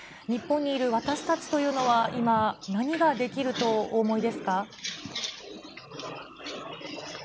日本にいる私たちというのは今、何ができるとお思いですか。